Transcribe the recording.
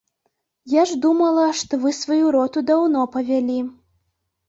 Я ж думала, што вы сваю роту даўно павялі.